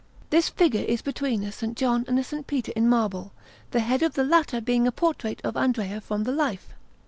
This figure is between a S. John and a S. Peter in marble, the head of the latter being a portrait of Andrea from the life.